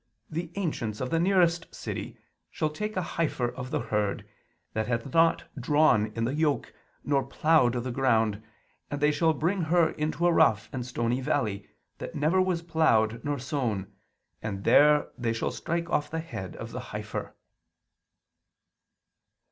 . the ancients" of the nearest city "shall take a heifer of the herd, that hath not drawn in the yoke, nor ploughed the ground, and they shall bring her into a rough and stony valley, that never was ploughed, nor sown; and there they shall strike off the head of the heifer."